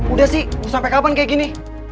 udah sih sampai kapan kayak gini